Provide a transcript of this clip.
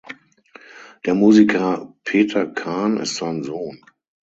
Der Musiker Peter Cahn ist sein Sohn.